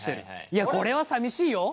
いやこれはさみしいよ？